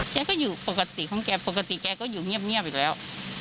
แกก็อยู่ปกติของแกปกติแกก็อยู่เงียบอีกแล้ว